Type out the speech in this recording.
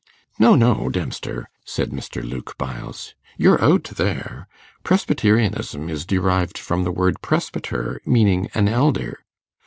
'No, no, Dempster,' said Mr. Luke Byles, 'you're out there. Presbyterianism is derived from the word presbyter, meaning an elder.